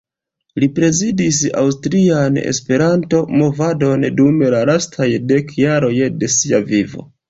Li prezidis Aŭstrian Esperanto-Movadon dum la lastaj dek jaroj de sia vivo.